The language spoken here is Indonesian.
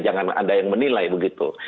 jangan ada yang menilai begitu